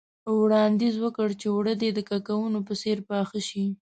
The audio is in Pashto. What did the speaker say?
وړانديز وکړ چې اوړه دې د کاکونو په څېر پاخه شي.